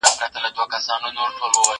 له هیواده د منتر د کسبګرو